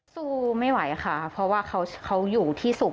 สู้ไม่ไหวค่ะเพราะว่าเขาอยู่ที่สุข